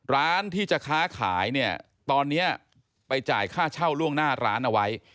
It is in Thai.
ร้านที่จะค้าขายเนี่ยตอนนี้ไปจ่ายค่าเช่าล่วงหน้าร้านเอาไว้